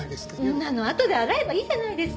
そんなのあとで洗えばいいじゃないですか！